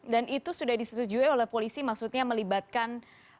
dan itu sudah disetujui oleh polisi maksudnya melibatkan